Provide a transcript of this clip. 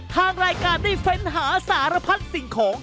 ทางรายการได้เฟ้นหาสารพัดสิ่งของ